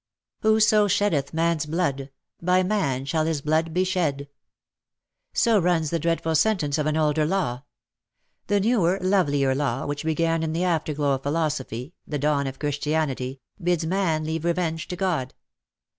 ''Whoso sheddeth man's blood, by man shall his blood be shed/' So runs the dreadful sentence of an older law. The newer, lovelier law, which began in the after glow of Philosophy, the dawn of Christianity, bids man leave revenge to God.